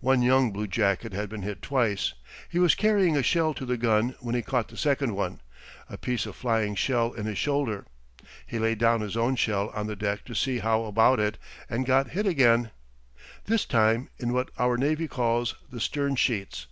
One young bluejacket had been hit twice. He was carrying a shell to the gun when he caught the second one a piece of flying shell in his shoulder. He laid his own shell on the deck to see how about it, and got hit again; this time in what our navy calls the stern sheets.